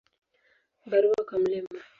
Barua kwa Mt.